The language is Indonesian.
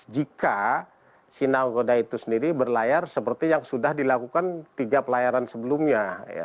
jika si nagoda itu sendiri berlayar seperti yang sudah dilakukan tiga pelayaran sebelumnya